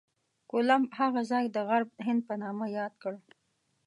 کولمب هغه ځای د غرب هند په نامه یاد کړ.